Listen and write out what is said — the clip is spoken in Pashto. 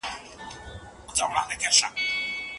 - حبیب الرحمان جدیر، ليکوال او خبريال.